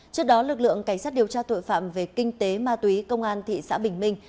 trước đó lực lượng cảnh sát điều tra tội phạm về kinh tế ma túy công an thị xã bình minh